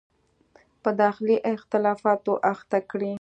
په داخلي اختلافاتو اخته کړي.